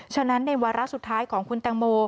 ฉะนั้นในวาระสุดท้ายของคุณตังโม